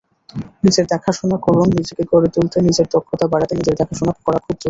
নিজের দেখাশোনা করুননিজেকে গড়ে তুলতে, নিজের দক্ষতা বাড়াতে নিজের দেখাশোনা করা খুব জরুরি।